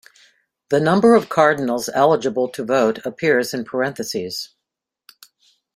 The number of cardinals eligible to vote appears in parentheses.